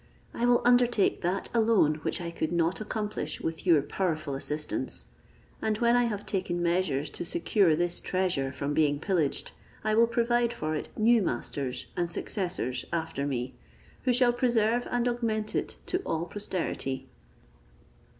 I will undertake that alone which I could not accomplish with your powerful assistance; and when I have taken measures to secure this treasure from being pillaged, I will provide for it new masters and successors after me, who shall preserve and augment it to all posterity."